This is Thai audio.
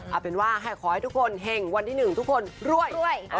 เอาเป็นว่าขอให้ทุกคนเห็งวันที่๑ทุกคนรวยรวย